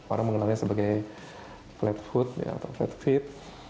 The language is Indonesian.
orang mengenalnya sebagai flat foot atau flat feet